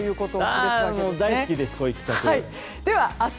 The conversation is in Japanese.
大好きです